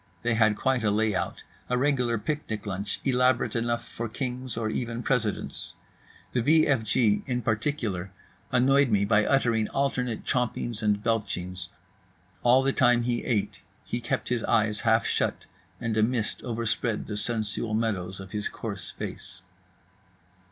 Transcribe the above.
They had quite a layout, a regular picnic lunch elaborate enough for kings or even presidents. The v f g in particular annoyed me by uttering alternate chompings and belchings. All the time he ate he kept his eyes half shut; and a mist overspread the sensual meadows of his coarse face.